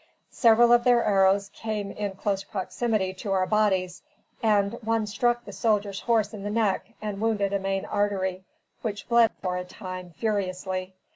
Several of their arrows came in close proximity to our bodies, and one struck, the soldier's horse in the neck and wounded a main artery, which bled, for a time, furiously.